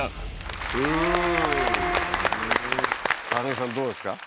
木さんどうですか？